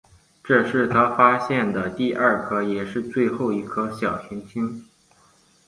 这是他发现的第二颗也是最后一颗小行星。